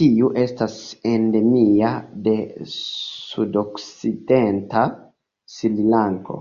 Tiu estas endemia de sudokcidenta Srilanko.